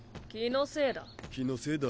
気のせいだ。